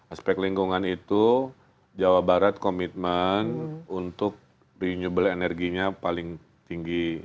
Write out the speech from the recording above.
aspek lingkungan itu jawa barat komitmen untuk renewable energy nya paling tinggi